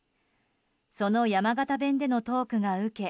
その山形弁でのトークが受け